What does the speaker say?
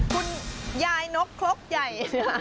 คุณยายนกครกใหญ่